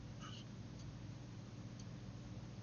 jinsi ya kutumia ya Viazi lishe